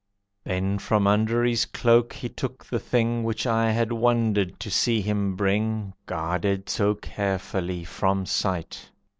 Then from under his cloak he took the thing Which I had wondered to see him bring Guarded so carefully from sight.